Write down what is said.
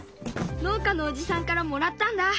農家のおじさんからもらったんだ。